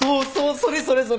それそれそれ！